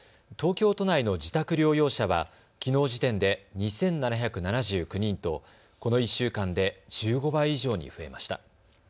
東京都内の自宅療養者はきのう時点で２７７９人とこの１週間で１５倍以上に増えました。